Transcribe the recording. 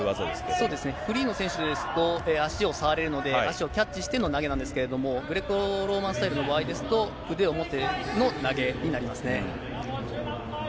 そうですね、フリーの選手ですと、足を触れるので、足をキャッチしての投げなんですけれども、グレコローマンスタイルの場合ですと、腕を持っての投げになりますね。